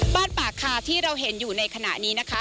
ปากคาที่เราเห็นอยู่ในขณะนี้นะคะ